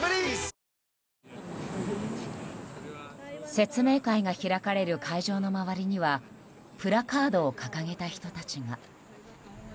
説明会が開かれる会場の周りにはプラカードを掲げた人たちが。